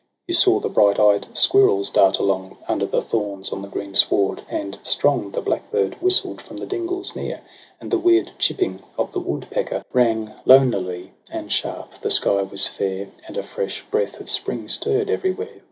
You saw the bright eyed squirrels dart along Under the thorns on the green sward ; and strong The blackbird whistled from the dingles near. And the weird chipping of the woodpecker Q 2 228 TRISTRAM AND ISEULT. Rang lonelily and sharp ; the sky was fair, And a fresh breath of spring stirr'd everywhere.